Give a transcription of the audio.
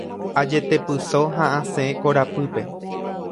Ajetepyso ha asẽ korapýpe.